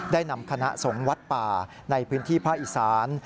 ได้นำคณะสงวัดป่าในพื้นที่พ่ออิศราณ